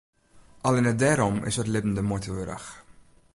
Allinne dêrom is it libben de muoite wurdich.